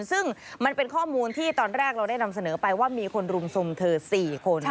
ซึ่งมันเป็นข้อมูลที่ตอนแรกเราได้นำเสนอไปว่ามีคนรุมโทรมเธอ๔คน